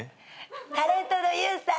タレントのＹＯＵさん。